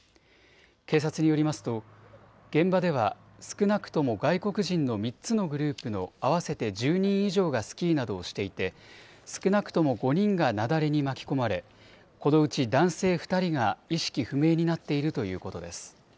警察によりますと現場では少なくとも外国人の３つのグループの合わせて１０人以上がスキーなどをしていて少なくとも５人が雪崩に巻き込まれ、このうち男性２人が意識不明になっているということです。